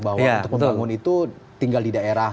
bahwa untuk membangun itu tinggal di daerah